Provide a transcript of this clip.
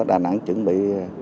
đà nẵng chuẩn bị